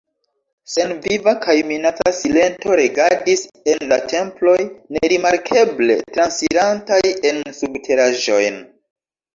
Senviva kaj minaca silento regadis en la temploj, nerimarkeble transirantaj en subteraĵojn.